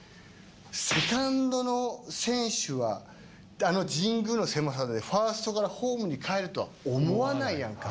セカンドの選手はあの神宮の狭さでファーストからホームにかえると思わないやんか。